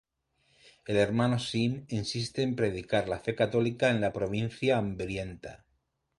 El hermano Sim insiste en predicar la fe católica en la provincia hambrienta.